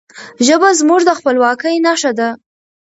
ژبه زموږ د خپلواکی نښه ده.